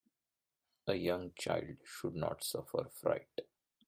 A young child should not suffer fright.